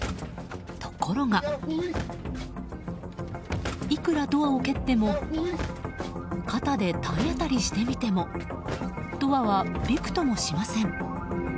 ところが、いくらドアを蹴っても肩で体当たりしてみてもドアはびくともしません。